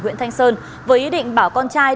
huyện thanh sơn với ý định bảo con trai